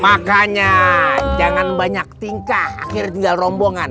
makanya jangan banyak tingkah akhir tinggal rombongan